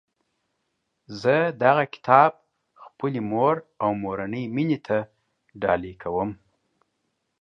زه دغه کتاب خپلي مور او مورنۍ میني ته ډالۍ کوم